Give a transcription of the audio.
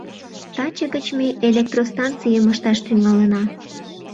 Таче гыч ме электростанцийым ышташ тӱҥалына.